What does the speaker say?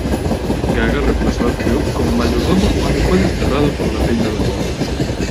Gaga reemplazó a Cube como mayordomo cuando fue desterrado por la Reina Demonio.